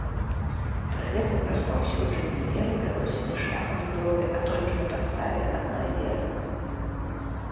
Пры гэтым распаўсюджанне веры вялося не шляхам зброі, але толькі на падставе адной веры.